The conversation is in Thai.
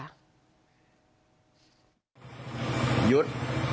หยุด